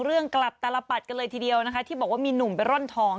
กลับตลปัดกันเลยทีเดียวนะคะที่บอกว่ามีหนุ่มไปร่อนทอง